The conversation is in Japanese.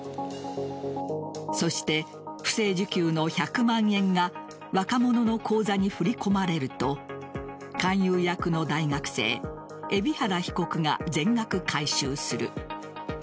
そして不正受給の１００万円が若者の口座に振り込まれると勧誘役の大学生海老原被告が全額回収する。